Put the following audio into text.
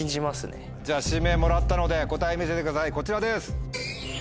じゃあ指名もらったので答え見せてくださいこちらです。